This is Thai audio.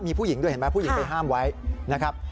มีผู้หญิงด้วยเห็นไหมผู้หญิงไปห้ามไว้นะครับ